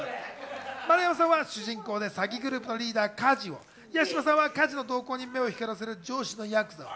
丸山さんは主人公で詐欺グループリーダー・梶を、八嶋さんは梶の動向に目を光らせる上司のヤクザを。